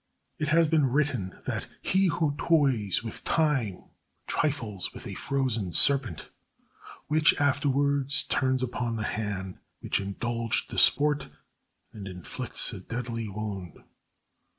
It has been written that "he who toys with time trifles with a frozen serpent, which afterwards turns upon the hand which indulged the sport, and inflicts a deadly wound."